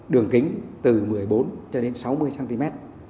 đường kính từ một mươi bốn cho đến sáu mươi cm